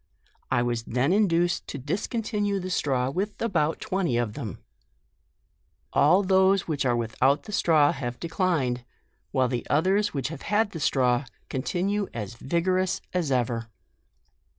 I was then induced to discontinue the straw with about twenty of them. All (hose which are zoithoiit the straw have declin. 142 JUNE. ed ; while the others which have had the straw, continue as vigorous as ever."